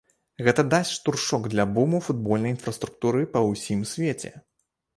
Гэта дасць штуршок для буму футбольнай інфраструктуры па ўсім свеце.